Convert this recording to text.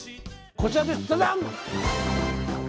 こちらです。